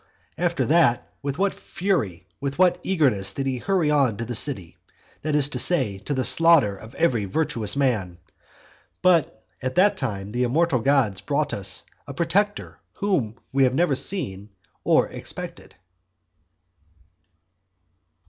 After that with what fury, with what eagerness did he hurry on to the city, that is to say, to the slaughter of every virtuous man! But at that time the immortal gods brought to us a protector whom we had never seen nor expected.